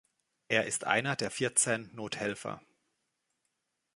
Er ist einer der vierzehn Nothelfer.